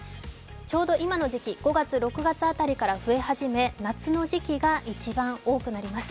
ちょうど今の時期、５月、６月辺りから増え始め夏の時期が一番多くなります。